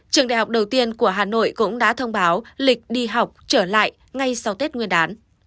trường đại học đầu tiên của hà nội cũng đã thông báo lịch đi học trở lại ngay sau tết nguyên đán